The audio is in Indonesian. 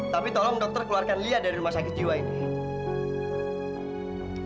tapi tolong dokter keluarkan lia dari rumah sakit jiwa ini